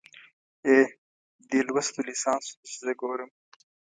اې، دې لوستو ليسانسو ته چې زه ګورم